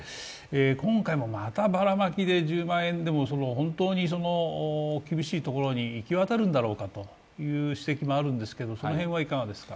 今回もまた、ばらまきで１０万円で本当に厳しいところに行き渡るんだろうかという指摘もあるんですが、その辺はいかがですか。